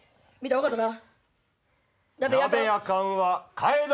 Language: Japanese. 分かったな？